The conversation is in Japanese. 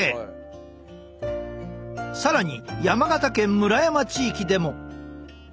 更に山形県村山地域でも。